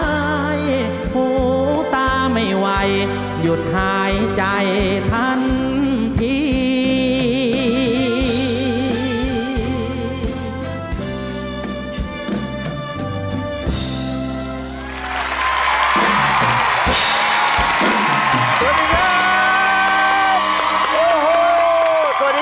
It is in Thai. หูตาไม่ไหวหยุดหายใจทันที